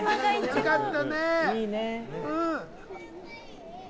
よかった！